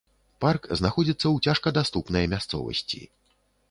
Парк знаходзіцца ў цяжкадаступнай мясцовасці.